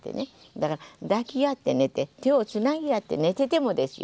だから抱き合って寝て手をつなぎ合って寝ててもですよ